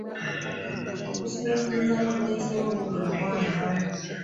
Okusiba ku mizannyo kuleeseewo obubbi mu baana.